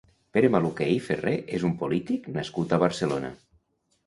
Pere Maluquer i Ferrer és un polític nascut a Barcelona.